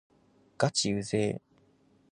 がちうぜぇ